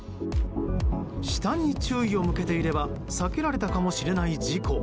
下に注意を向けていれば避けられたかもしれない事故。